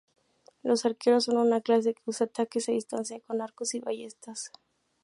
Los Arqueros son una clase que usa ataques a distancia con arcos y ballestas.